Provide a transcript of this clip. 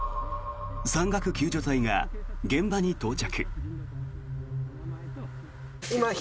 山岳救助隊が現場に到着。